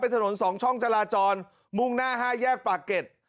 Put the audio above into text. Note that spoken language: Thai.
เป็นถนนสองช่องจราจรมุ่งหน้าห้าแยกปากเก็ด